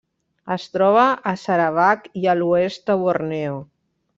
Es troba a Sarawak i a l'oest de Borneo.